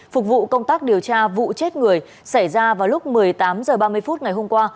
phục vụ công tác điều tra vụ chết người xảy ra vào lúc một mươi tám h ba mươi phút ngày hôm qua